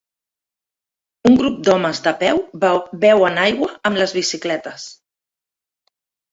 Un grup d'homes de peu beuen aigua amb les bicicletes.